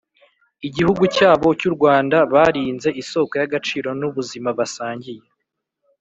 Igihugu cyabo cy u Rwanda Barinze isoko y agaciro n ubuzima basangiye